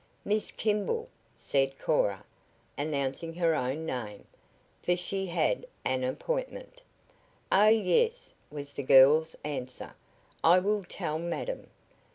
"Miss Kimball," said Cora, announcing her own name, for she had an appointment. "Oh, yes," was the girl's answer. "I will tell madam."